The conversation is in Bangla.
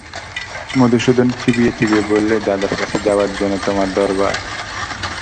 মধুসূদন চিবিয়ে চিবিয়ে বললে, দাদার কাছে যাবার জন্যে তোমার দরবার?